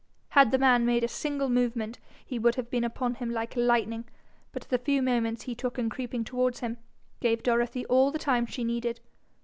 Had the man made a single movement he would have been upon him like lightning; but the few moments he took in creeping towards him, gave Dorothy all the time she needed.